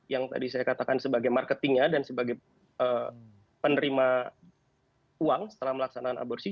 yang tadi saya katakan sebagai marketingnya dan sebagai penerima uang setelah melaksanakan aborsi